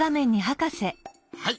はい。